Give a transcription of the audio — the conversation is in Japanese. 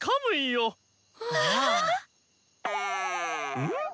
うん？